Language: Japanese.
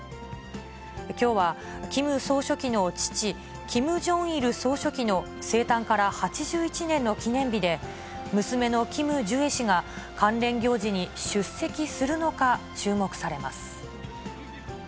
きょうはキム総書記の父、キム・ジョンイル総書記の生誕から８１年の記念日で、娘のキム・ジュエ氏が、関連行事に出席するのか注目されます。